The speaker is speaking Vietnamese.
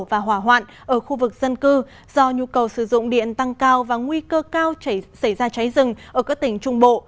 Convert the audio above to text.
và hỏa hoạn ở khu vực dân cư do nhu cầu sử dụng điện tăng cao và nguy cơ cao xảy ra cháy rừng ở các tỉnh trung bộ